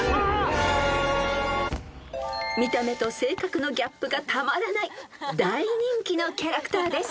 ［見た目と性格のギャップがたまらない大人気のキャラクターです］